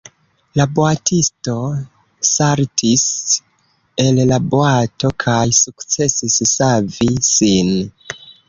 La boatisto saltis el la boato kaj sukcesis savi sin.